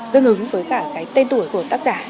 tương ứng với cả cái tên tuổi của tác giả